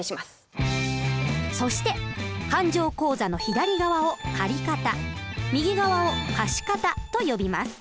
そして勘定口座の左側を借方右側を貸方と呼びます。